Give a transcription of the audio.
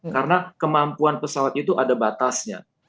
karena kemampuan pesawat itu ada batasnya